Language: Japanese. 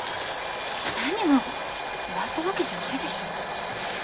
なにも終わったわけじゃないでしょう。